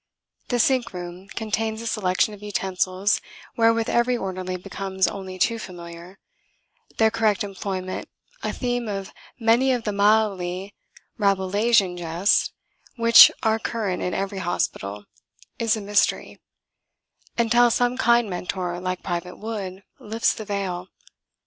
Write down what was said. The sink room contains a selection of utensils wherewith every orderly becomes only too familiar: their correct employment, a theme of many of the mildly Rabelaisian jests which are current in every hospital, is a mystery until some kind mentor, like Private Wood, lifts the veil.